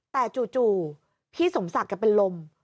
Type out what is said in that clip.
แต่จู่พี่สมศักดิ์เป็นลม